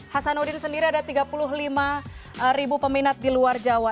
hasan udien sendiri ada tiga puluh lima peminat di luar jawa